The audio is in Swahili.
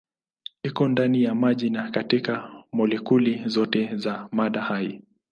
Iko ndani ya maji na katika molekuli zote za mada hai.